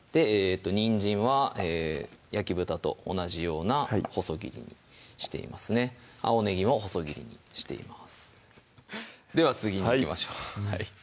にんじんは焼き豚と同じような細切りにしていますね青ねぎも細切りにしていますでは次にいきましょう